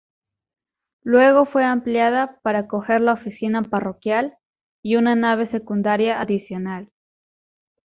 Luego fue ampliada para acoger la oficina parroquial, y una nave secundaria adicional.